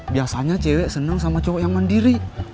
biasanya cewek senang sama cowok yang mandiri